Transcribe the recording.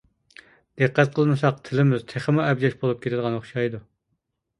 دىققەت قىلمىساق تىلىمىز تېخىمۇ ئەبجەش بولۇپ كېتىدىغان ئوخشايدۇ.